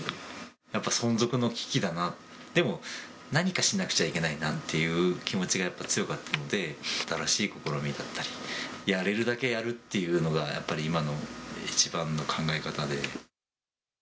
やっぱ存続の危機だな、でも何かしなくちゃいけないなっていう気持ちがやっぱ強かったので、新しい試みだったり、やれるだけやるっていうのが、やっぱり今の一番の考え方で。